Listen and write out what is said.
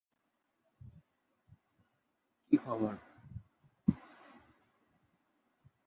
বিজ্ঞানের ক্ষেত্র প্রধানত পুরুষদের জন্য বিবেচিত হত।